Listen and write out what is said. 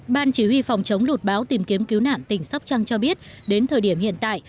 ban chỉ huy phòng chống lụt báo tìm kiếm cứu nạn tỉnh sóc trăng cho biết đến thời điểm hiện tại